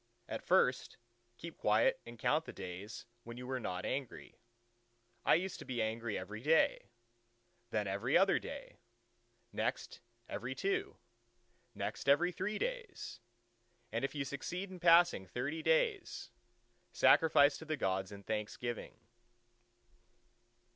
At first, keep quiet and count the days when you were not angry: "I used to be angry every day, then every other day: next every two, next every three days!" and if you succeed in passing thirty days, sacrifice to the Gods in thanksgiving.